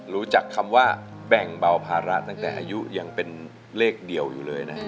รู้จักคำว่าแบ่งเบาภาระตั้งแต่อายุยังเป็นเลขเดียวอยู่เลยนะ